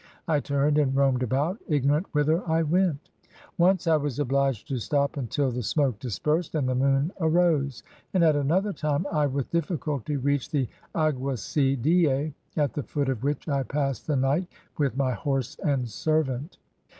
I turned and roamed about, ignorant whither I went. Once I was obhged to stop imtil the smoke dispersed, and the moon arose; and at another time I with difficulty reached the aguacy die. at the foot of which I passed the night "u ith my horse and ser\'ant.